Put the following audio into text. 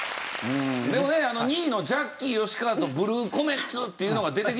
でもね２位のジャッキー吉川とブルー・コメッツっていうのが出てきた時。